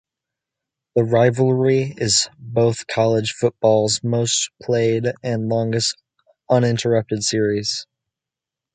The Rivalry is both college football's most-played and longest uninterrupted series.